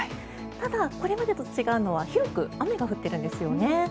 ただ、これまでと違うのは広く雨が降っているんですよね。